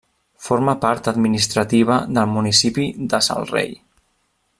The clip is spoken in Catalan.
Forma part administrativa del municipi de Sal Rei.